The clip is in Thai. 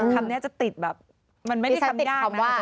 คำนี้จะติดแบบมันไม่ได้ออกสันดินะ